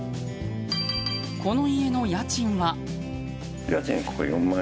この家の家賃は。